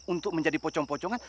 untuk menjadi pocong pocongan